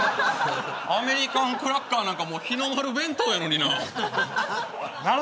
アメリカンクラッカーなんか日の丸弁当やのにな。